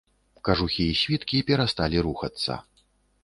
Кажухі і світкі перасталі рухацца.